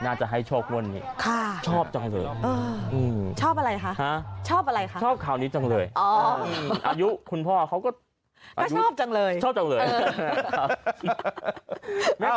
นะฮะก็บอกว่าคุณพ่อเบาะเสิร์ธ